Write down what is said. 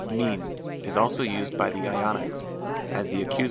fiiv is also used by the Ionics as the Ace.